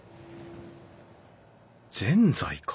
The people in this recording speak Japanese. ぜんざいか。